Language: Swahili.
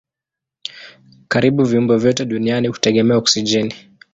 Karibu viumbe vyote duniani hutegemea oksijeni.